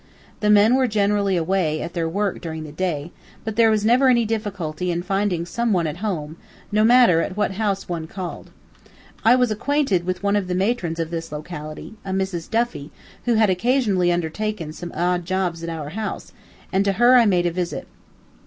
The men were generally away, at their work, during the day, but there was never any difficulty in finding some one at home, no matter at what house one called. I was acquainted with one of the matrons of this locality, a Mrs. Duffy, who had occasionally undertaken some odd jobs at our house, and to her I made a visit.